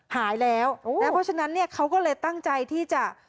หายแล้วแล้วเพราะฉะนั้นเขาก็เลยตั้งใจที่จะ